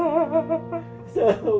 buat apa def